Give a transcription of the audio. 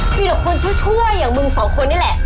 มีหรอกคนช่วยอย่างมึงสองคนนี่แหละ